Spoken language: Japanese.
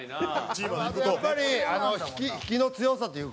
あとやっぱり引きの強さというか。